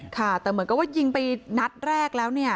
ค่ะแต่เหมือนกับว่ายิงไปนัดแรกแล้วเนี่ย